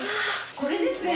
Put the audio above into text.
これですね。